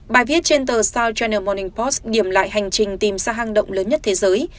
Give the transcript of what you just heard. bài viết trên tờ south china morning post điểm lại hành trình tìm xa hang động lớn nhất thế giới